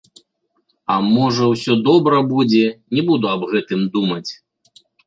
А можа, усё добра будзе, не буду аб гэтым думаць.